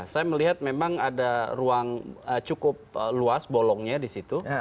saya melihat memang ada ruang cukup luas bolongnya di situ